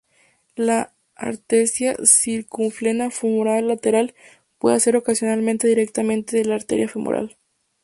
La "arteria circunfleja femoral lateral" puede nacer ocasionalmente directamente de la arteria femoral.